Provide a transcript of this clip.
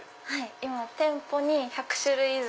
今店舗に１００種類以上。